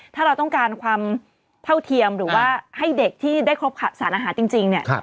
ถ้าเราต้องการความเท่าเทียมหรือว่าให้เด็กที่ได้ครบสารอาหารจริงเนี่ย